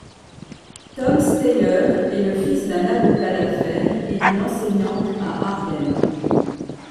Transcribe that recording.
Tom Steyer est le fils d'un avocat d'affaires et d'une enseignante à Harlem.